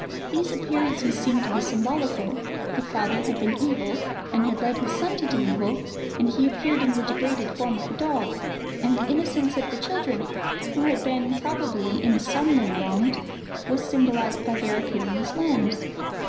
These appearances seem to be symbolical: the father had been evil, and had led his son to do evil, and he appeared in the degraded form of a dog; and the innocence of the children, who had been, probably, in some way wronged, was symbolized by their appearing as lambs.